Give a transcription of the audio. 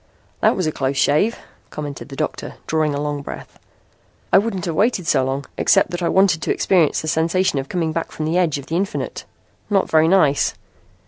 "That was a close shave," commented the doctor, drawing a long breath. "I wouldn't have waited so long, except that I wanted to experience the sensation of coming back from the edge of the infinite. Not very nice!